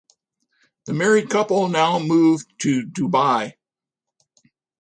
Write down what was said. The married couple now move to Dubai.